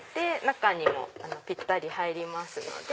中にもぴったり入りますので。